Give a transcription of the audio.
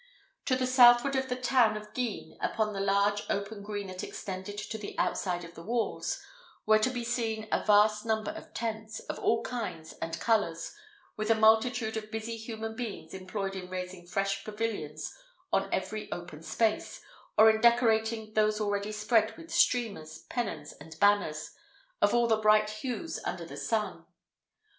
To the southward of the town of Guisnes, upon the large open green that extended on the outside of the walls, were to be seen a vast number of tents, of all kinds and colours, with a multitude of busy human beings employed in raising fresh pavilions on every open space, or in decorating those already spread with streamers, pennons, and banners, of all the bright hues under the sun.